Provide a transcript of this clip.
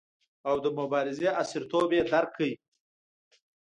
او د مبارزې عصریتوب یې درک کړو.